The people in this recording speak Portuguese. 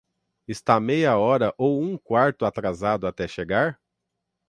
Está meia hora ou um quarto atrasado até chegar?